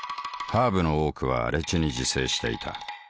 ハーブの多くは荒地に自生していた。